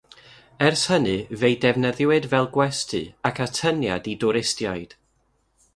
Ers hynny, fe'i defnyddiwyd fel gwesty ac atyniad i dwristiaid.